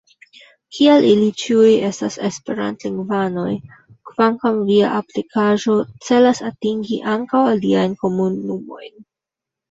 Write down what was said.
Kial ili ĉiuj estas esperantlingvanoj, kvankam via aplikaĵo celas atingi ankaŭ aliajn komunumojn?